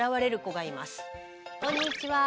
こんにちは。